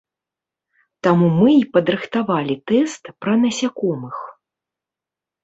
Таму мы і падрыхтавалі тэст пра насякомых.